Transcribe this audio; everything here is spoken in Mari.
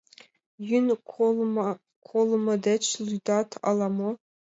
— Йӱын колыма деч лӱдыт ала-мо...